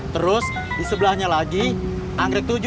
terus di sebelahnya lagi anggrek tujuh